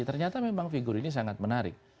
ternyata memang figur ini sangat menarik